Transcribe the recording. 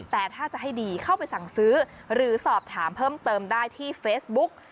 แต่ถ้าจะให้ดีเข้าไปสั่งซื้อหรือสอบถามเพิ่มเติมได้ที่เฟซบุ๊ก